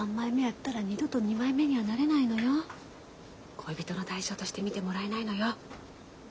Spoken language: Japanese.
恋人の対象として見てもらえないのよ。